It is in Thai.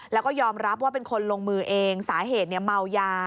แล้วก็ยอมรับว่าเป็นคนลงมือเองสาเหตุเมายา